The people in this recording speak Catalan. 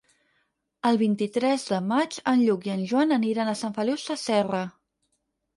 El vint-i-tres de maig en Lluc i en Joan aniran a Sant Feliu Sasserra.